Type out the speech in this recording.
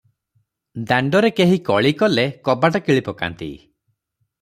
ଦାଣ୍ଡରେ କେହି କଳି କଲେ କବାଟ କିଳି ପକାନ୍ତି ।